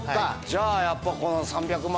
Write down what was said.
じゃあやっぱこの。